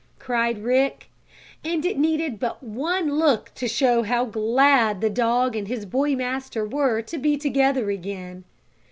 cried Rick. And it needed but one look to show how glad the dog and his boy master were to be together again.